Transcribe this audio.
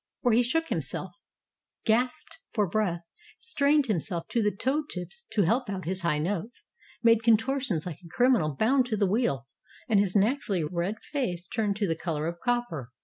For he shook himself, 432 M THE EMPEROR NERO ON THE STAGE gasped for breath, strained himself to the toe tips to help out his high notes, made contortions like a criminal boimd to the wheel, and his naturally red face turned to the color of copper.